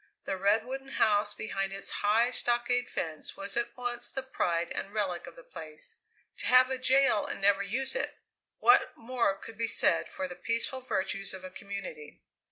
The red, wooden house behind its high, stockade fence was at once the pride and relic of the place. To have a jail and never use it! What more could be said for the peaceful virtues of a community?